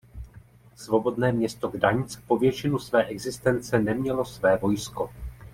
Svobodné město Gdaňsk po většinu své existence nemělo své vojsko.